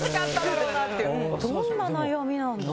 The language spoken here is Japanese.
どんな悩みなんだろう？